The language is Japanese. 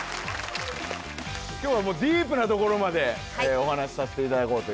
今日はディープなところまでお話しさせていただこうとあ